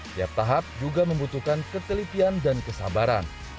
tiap tahap juga membutuhkan ketelitian dan kesabaran